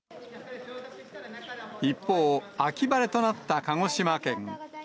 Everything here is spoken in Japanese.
一方、秋晴れとなった鹿児島県。